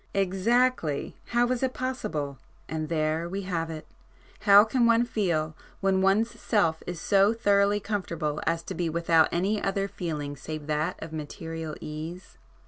"Exactly!—How is it possible? And there we have it—how can one feel, when one's self is so thoroughly comfortable as to be without any other feeling save that of material ease?